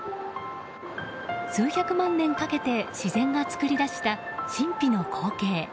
数百万年かけて自然が作り出した神秘の光景。